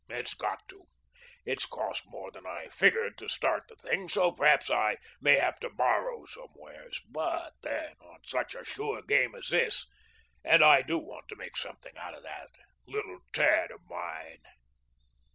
It's got to. It's cost more than I figured to start the thing, so, perhaps, I may have to borrow somewheres; but then on such a sure game as this and I do want to make something out of that little tad of mine."